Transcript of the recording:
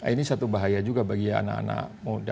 ini satu bahaya juga bagi anak anak muda